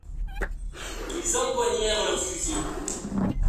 Ils empoignèrent leurs fusils.